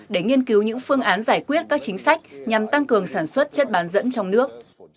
để nghiên cứu những phương án giải quyết các chính sách nhằm tăng cường sản xuất chất bán dẫn trong nước